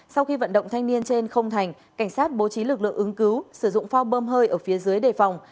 sau khi vận động thanh niên trên không thành cảnh sát bố trí lực lượng ứng cứu sử dụng phao bơm hơi ở phía dưới đề phòng